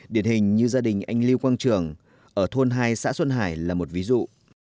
điển hình như gia đình anh lưu quang trường ở thôn hai xã xuân hải là một ví dụ